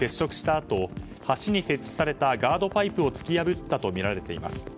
あと橋に設置したガードパイプを突き破ったとみられています。